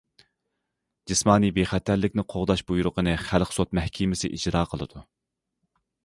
جىسمانىي بىخەتەرلىكنى قوغداش بۇيرۇقىنى خەلق سوت مەھكىمىسى ئىجرا قىلىدۇ.